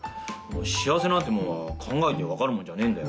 幸せなんてもんは考えてわかるもんじゃねえんだよ。